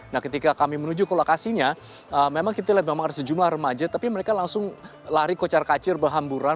nah ketika kami menuju ke lokasinya memang kita lihat memang ada sejumlah remaja tapi mereka langsung lari kocar kacir berhamburan